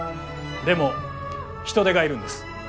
でも人手が要るんです。